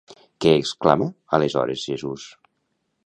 Què exclamà aleshores, Jesús?